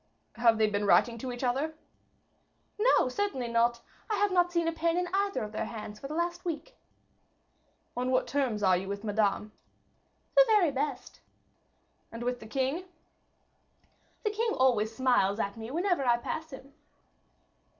"Have they been writing to each other?" "No, certainly not; I have not seen a pen in either of their hands for the last week." "On what terms are you with Madame?" "The very best." "And with the king?" "The king always smiles at me whenever I pass him."